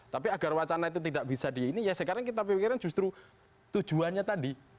tapi agar wacana itu tidak bisa di ini ya sekarang kita pikirin justru tujuannya tadi